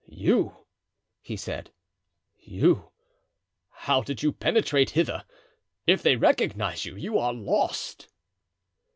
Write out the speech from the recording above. "You!" he said, "you! how did you penetrate hither? If they recognize you, you are lost."